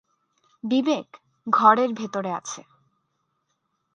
বিবেক, ঘরের ভিতরে আছে।